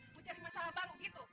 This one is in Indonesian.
mau cari masalah baru gitu